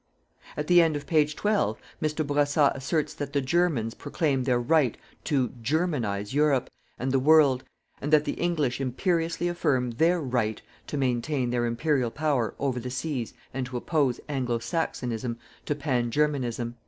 At the end of page 12, Mr. Bourassa asserts that the Germans proclaim their RIGHT to "Germanize" Europe and the world, and that the English imperiously affirm their RIGHT _to maintain their Imperial power over the seas and to oppose "Anglo Saxonism" to "pan Germanism."